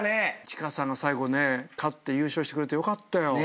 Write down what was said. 千佳さん最後ね勝って優勝してくれてよかったよ。